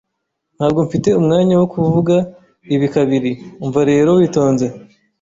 Ntabwo mfite umwanya wo kuvuga ibi kabiri, umva rero witonze.